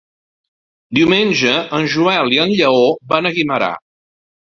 Diumenge en Joel i en Lleó van a Guimerà.